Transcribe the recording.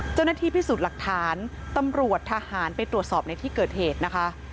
เจ้าหน้าที่พิสูจน์หลักฐานตำรวจทหารไปตรวจสอบในที่เกิดเหตุนะคะ